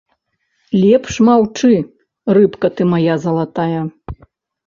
Лепш маўчы, рыбка ты мая залатая.